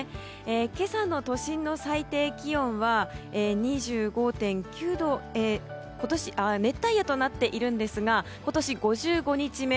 今朝の都心の最低気温は２５．９度熱帯夜となっているんですが今年５５日目。